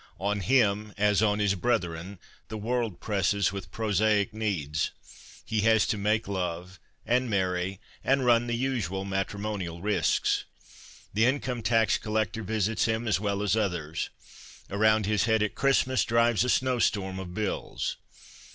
On him, as on his brethren, the world presses with prosaic needs. He has to make love, and marry, and run the usual matrimonial risks. The income tax collector visits him as well as others. Around his head at Christmas drives a snow storm of bills.'